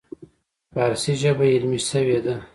فارسي ژبه علمي شوې ده.